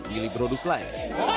pilih produs lain